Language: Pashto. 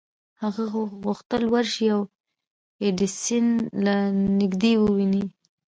هغه غوښتل ورشي او ایډېسن له نږدې وويني.